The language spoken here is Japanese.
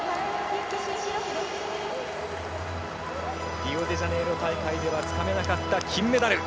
リオデジャネイロ大会ではつかめなかった金メダル。